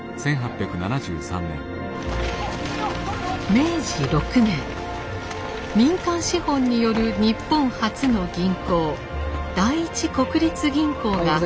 明治６年民間資本による日本初の銀行第一国立銀行が開業しました。